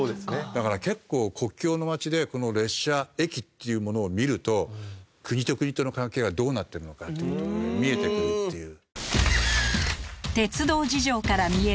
だから結構国境の街で列車駅っていうものを見ると国と国との関係がどうなってるのかっていう事もね見えてくるっていう。